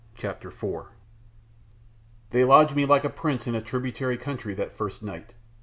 CHAPTER IV They lodged me like a prince in a tributary country that first night.